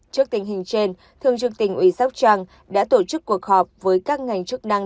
trước tình hình trên thương trường tỉnh ủy sóc trăng đã tổ chức cuộc họp với các ngành chức năng